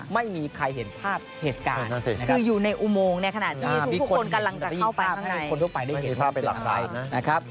ไม่มีใครเห็นภาพเหตุการณ์คืออยู่ในอุโมงในขณะที่ทุกคนกำลังจะเข้าไปข้างใน